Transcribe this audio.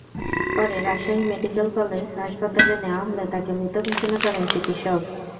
পরে Rajshahi medical college হাসপাতালে নেওয়া হলে তাঁকে মৃত ঘোষণা করেন চিকিৎসক।